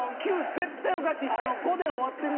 絶対おかしいって。